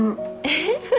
えっ？